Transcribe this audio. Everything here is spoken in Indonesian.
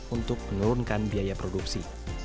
untuk menurunkan biaya produksi